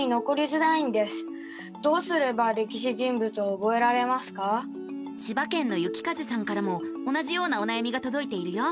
ぼくは千葉県のゆきかぜさんからも同じようなおなやみがとどいているよ。